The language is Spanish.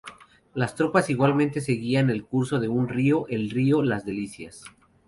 Las tropas igualmente seguían el curso de un río, el río Las Delicias.